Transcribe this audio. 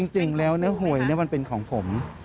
จริงแล้วเนื้อหวยมันเป็นของผม